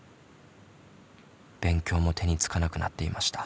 勉強も手につかなくなっていました。